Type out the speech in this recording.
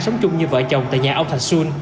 sống chung như vợ chồng tại nhà ông thạch xuân